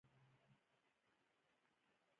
ګل ښایسته ښکاري.